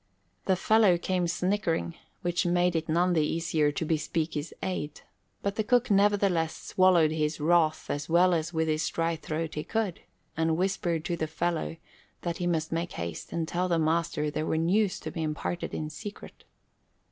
The fellow came snickering, which made it none the easier to bespeak his aid; but the cook nevertheless swallowed his wrath as well as with his dry throat he could, and whispered to the fellow that he must make haste and tell the master there was news to be imparted in secret.